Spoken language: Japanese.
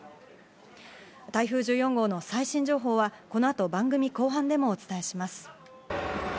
台風１４号の最新情報は、このあと番組後半でもお伝えします。